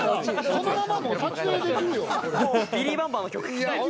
このままもう撮影できるよ。